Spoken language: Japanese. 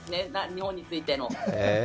日本に着いての。